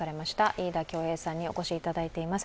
飯田恭平さんにお越しいただいています。